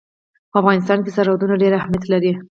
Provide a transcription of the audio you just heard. په افغانستان کې سرحدونه ډېر اهمیت لري.